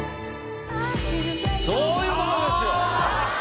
そういう事ですよ！